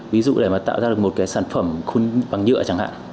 ví dụ để mà tạo ra được một cái sản phẩm bằng nhựa chẳng hạn